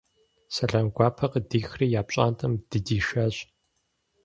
Сэлам гуапэ къыдихри я пщӏантӏэм дыдишащ.